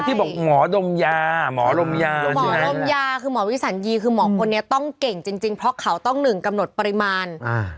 ที่บอกหมอดมยาคือหมอวิสัญญีคือหมอก็ต้องเก่งจริงเพราะเขาต้อง๑ต้องกำหนดปริมาณ